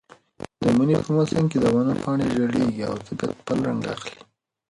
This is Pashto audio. د مني په موسم کې د ونو پاڼې ژېړېږي او طبیعت بل رنګ اخلي.